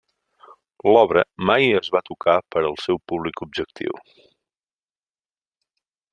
L'obra mai es va tocar per al seu públic objectiu.